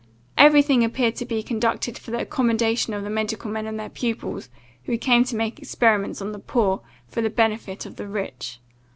Every thing appeared to be conducted for the accommodation of the medical men and their pupils, who came to make experiments on the poor, for the benefit of the rich.